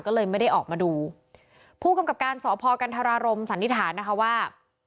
ก็เลยไม่ได้ออกมาดูผู้กำกับการสพกันธรารมสันนิษฐานนะคะว่า